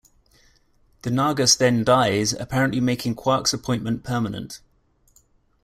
The Nagus then dies, apparently making Quark's appointment permanent.